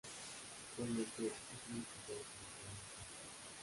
Actualmente, es muy utilizada por usuarios Samsung.